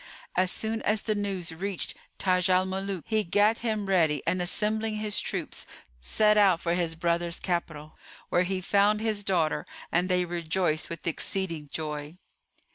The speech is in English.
As soon as the news reached Taj al Muluk he gat him ready and assembling his troops set out for his brother's capital, where he found his daughter and they rejoiced with exceeding joy.